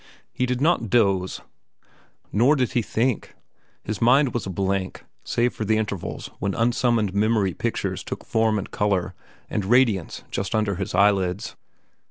He did not doze. Nor did he think. His mind was a blank, save for the intervals when unsummoned memory pictures took form and color and radiance just under his eyelids.